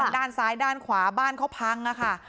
ทางด้านซ้ายด้านขวาบ้านเขาพัง